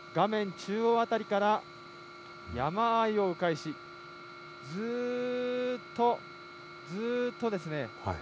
中央あたりから山あいをう回しずっとずっとですね。